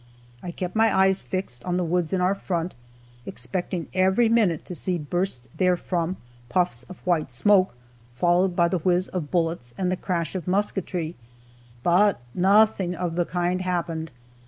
I kept my eyes fixed on the woods in our front, expecting every minute to see burst therefrom puffs of white smoke, followed by the whiz of bullets and the crash of musketry, but nothing of the kind happened.